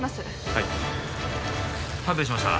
はい剥離しました